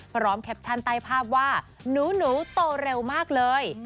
แคปชั่นใต้ภาพว่าหนูโตเร็วมากเลย